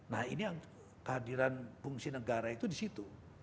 nah ini yang kehadiran fungsi negara itu di situ